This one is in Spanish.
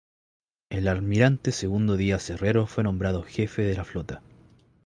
El almirante Segundo Díaz Herrero fue nombrado jefe de la flota.